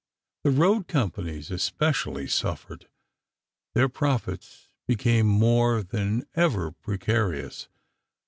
The road companies, especially, suffered. Their profits became more than ever precarious.